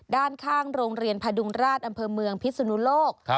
ด้านข้างโรงเรียนพดุงราชอำเภอเมืองพิศนุโลก